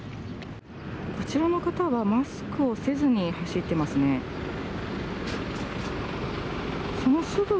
こちらの方はマスクをせずに走ってますね。